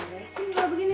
beresin juga begini nih